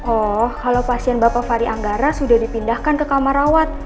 oh kalau pasien bapak fahri anggara sudah dipindahkan ke kamar rawat